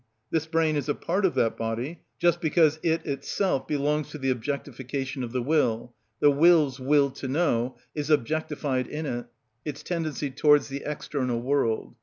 This brain is a part of that body, just because it itself belongs to the objectification of the will, the will's will to know is objectified in it, its tendency towards the external world.